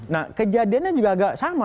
nah kejadiannya juga agak sama